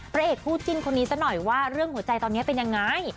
พระเอกคู่จิ้นคนนี้ซะหน่อยว่าเรื่องหัวใจตอนนี้เป็นยังไง